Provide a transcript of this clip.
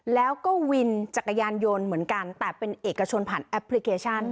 แล้วก็วินจักรยานยนต์เหมือนกันแต่เป็นเอกชนผ่านแอปพลิเคชัน